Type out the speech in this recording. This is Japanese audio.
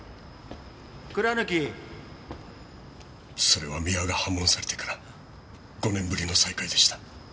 それは三輪が破門されてから５年ぶりの再会でした。